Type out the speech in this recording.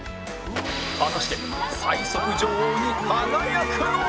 果たして最速女王に輝くのは？